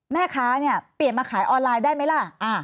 แม่ค้าเนี่ยเปลี่ยนมาขายออนไลน์ได้ไหมล่ะ